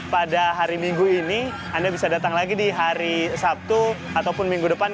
pada hari minggu ini anda bisa datang lagi di hari sabtu ataupun minggu depan